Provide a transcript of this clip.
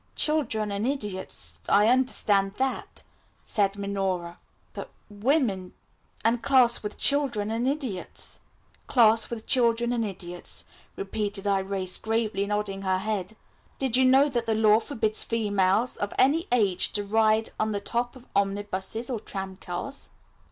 "Children and idiots I understand that," said Minora; "but women and classed with children and idiots?" "Classed with children and idiots," repeated Irais, gravely nodding her head. "Did you know that the law forbids females of any age to ride on the top of omnibuses or tramcars?"